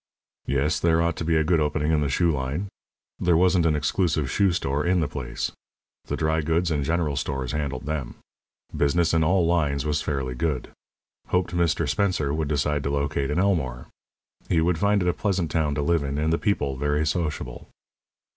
Yes, there ought to be a good opening in the shoe line. There wasn't an exclusive shoe store in the place. The dry goods and general stores handled them. Business in all lines was fairly good. Hoped Mr. Spencer would decide to locate in Elmore. He would find it a pleasant town to live in, and the people very sociable.